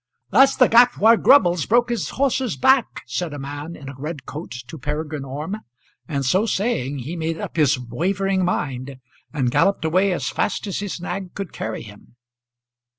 "That's the gap where Grubbles broke his horse's back," said a man in a red coat to Peregrine Orme, and so saying he made up his wavering mind and galloped away as fast as his nag could carry him.